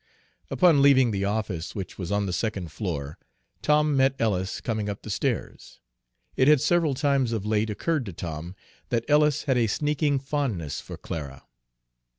Upon leaving the office, which was on the second floor, Tom met Ellis coming up the stairs. It had several times of late occurred to Tom that Ellis had a sneaking fondness for Clara.